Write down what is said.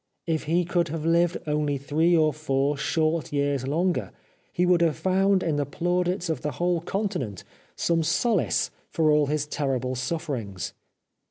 If he could have hved only three or four short years longer he would have found in the plaudits of the whole Continent some solace for all his terrible sufferings.